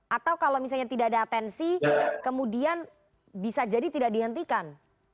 atau kalau misalnya tidak ada atensi kemudian bisa jadi tidak dihentikan